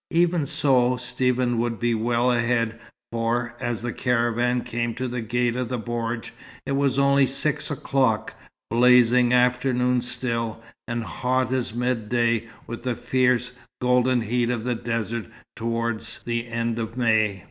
Even so, Stephen would be well ahead, for, as the caravan came to the gate of the bordj, it was only six o'clock, blazing afternoon still, and hot as midday, with the fierce, golden heat of the desert towards the end of May.